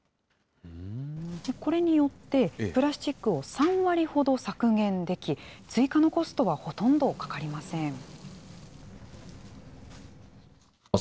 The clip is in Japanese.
これによって、プラスチックを３割ほど削減でき、追加のコストはほとんどかかりません。